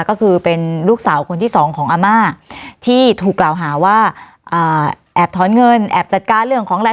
ก็คือเป็นลูกสาวคนที่สองของอาม่าที่ถูกกล่าวหาว่าแอบถอนเงินแอบจัดการเรื่องของอะไร